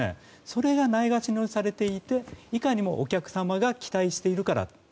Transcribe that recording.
それがないがしろにされていていかにもお客様が期待しているからと。